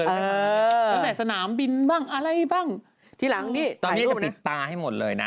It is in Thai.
ตั้งแต่สนามบินบ้างอะไรบ้างทีหลังนี้ตอนนี้จะปิดตาให้หมดเลยนะ